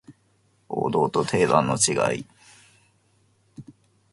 王道と定番の違い